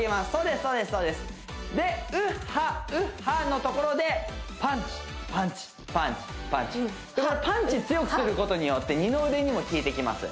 Ｕｈ！Ｈａ！」のところでパンチパンチパンチパンチでこれパンチ強くすることによって二の腕にもきいてきます